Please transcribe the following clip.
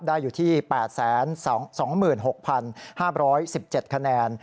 ได้อยู่ที่๘๒๖๕๑๗คะแนน